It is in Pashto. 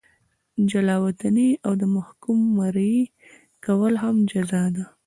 جلا وطني او د محکوم مریي کول هم جزا ده.